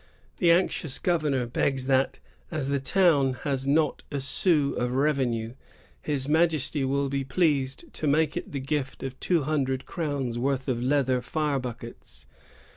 The anxious governor begs, that, as the town has not a sou of revenue, his Majesty will be pleased to make it the gift of two hundred crowns' worth of leather fire buckets.